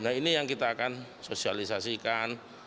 nah ini yang kita akan sosialisasikan